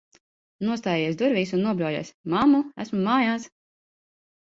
Nostājies durvīs un nobļaujies: "Mammu, esmu mājās!"